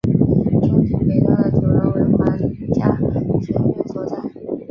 中庭北端的主楼为皇家学院所在。